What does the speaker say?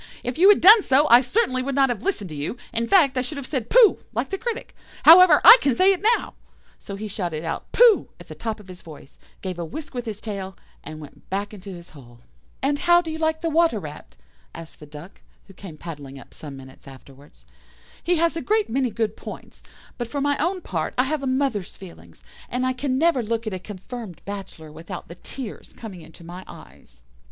If you had done so, I certainly would not have listened to you; in fact, I should have said 'Pooh,' like the critic. However, I can say it now"; so he shouted out "Pooh" at the top of his voice, gave a whisk with his tail, and went back into his hole. "And how do you like the Water rat?" asked the Duck, who came paddling up some minutes afterwards. "He has a great many good points, but for my own part I have a mother's feelings, and I can never look at a confirmed bachelor without the tears coming into my eyes."